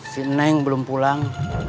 si neng belum pulang